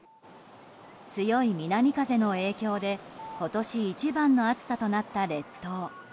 強い南風の影響で今年一番の暑さとなった列島。